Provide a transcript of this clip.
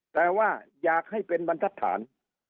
แต่ว่าอยากให้เป็นบรรทัศน